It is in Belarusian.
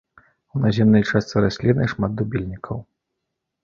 У наземнай частцы расліны шмат дубільнікаў.